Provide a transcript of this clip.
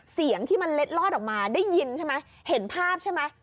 เสียงมันเล็ดลอดออกมาเด้ยยินใช่มั้ยเห็นภาพใช่มั๊ย